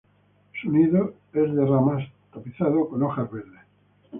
Su nido es de ramas, tapizado con hojas verdes.